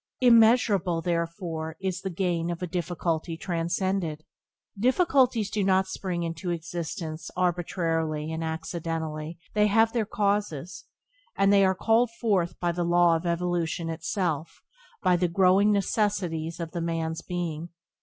Immeasurable, therefore, is the gain of a difficulty transcended. Difficulties do not spring into existence arbitrarily and accidentally; they have their causes, and are called forth by the law of evolution itself, by the growing necessities of the man's being.